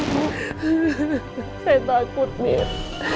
saya takut mir